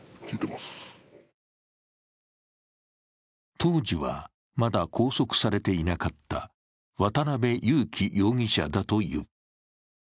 当時はまだ拘束されていなかった渡辺優樹容疑者だという。